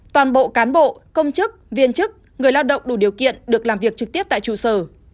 toàn bộ cán bộ công chức viên chức người lao động đủ điều kiện được làm việc trực tiếp tại trụ sở